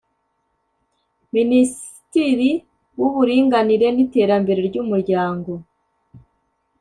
Ministiri w’Uburinganire n’iterambere ry’Umuryango